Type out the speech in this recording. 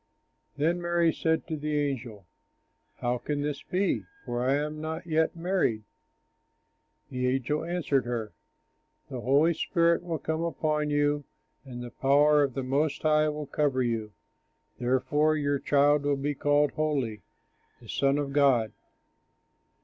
Then Mary said to the angel, "How can this be, for I am not yet married." The angel answered her, "The Holy Spirit will come upon you and the power of the Most High will cover you; therefore your child will be called holy, the Son of God."